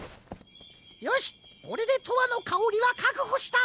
よしこれで「とわのかおり」はかくほした。